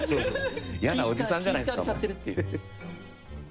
イヤなおじさんじゃないですか僕。